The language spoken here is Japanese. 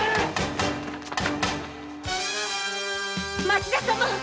町田様